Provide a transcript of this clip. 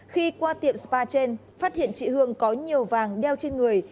khi qua tiệm spa trên phát hiện chị hương có nhiều vàng đeo trên người